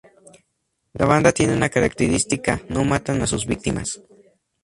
La banda tiene una característica, no matan a sus víctimas.